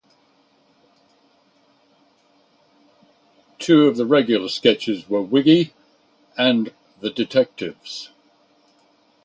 Two of the regular sketches were "Wiggy" and "The Detectives".